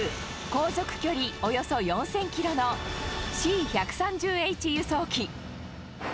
航続距離およそ４０００キロのＣー１３０Ｈ輸送機。